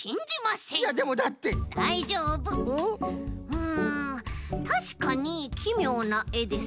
うんたしかにきみょうなえですが。